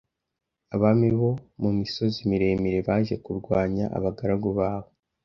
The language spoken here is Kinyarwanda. Abami bose bo mu misozi miremire baje kurwanya abagaragu bawe